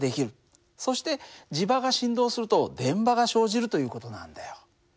そして磁場が振動すると電場が生じるという事なんだよ。